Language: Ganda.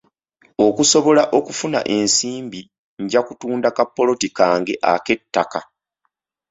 Okusobola okufuna ensimbi, nja kutunda ka ppoloti kange ak'ettaka.